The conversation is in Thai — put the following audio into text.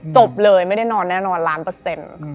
จบเลยไม่ได้นอนแน่นอนล้านเปอร์เซ็นต์